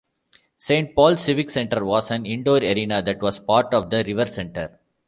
Saint Paul Civic Center was an indoor arena that was part of the RiverCentre.